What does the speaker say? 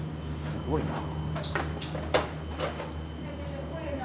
すごいな。